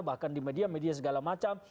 bahkan di media media segala macam